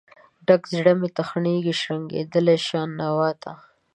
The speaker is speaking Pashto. ډک زړه مې تخنیږي، شرنګیدلې شان نوا ته